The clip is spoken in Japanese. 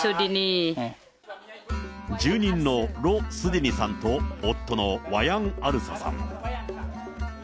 住人のロ・スディニさんと夫のワヤン・アルサさん。